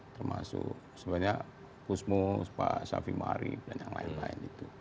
termasuk sebenarnya kusmo pak syafi ma'ari dan yang lain lain